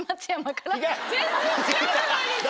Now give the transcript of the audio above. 全然違うじゃないですか。